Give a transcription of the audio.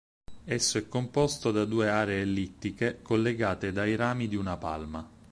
Esso è composto da due aree ellittiche, collegate dai rami di una palma.